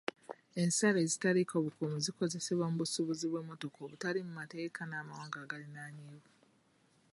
Ensalo ezitaliiko bukuumi zikozesebwa mu busuubuzi bw'emmotoka obutali mu mateeka n'amawanga agaliraanyeewo.